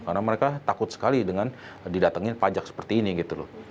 karena mereka takut sekali dengan didatengin pajak seperti ini gitu loh